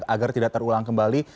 agar tidak terulang kembali